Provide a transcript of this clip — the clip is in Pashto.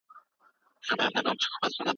هغه په انګلستان کي خپلې زده کړې بشپړې کړې.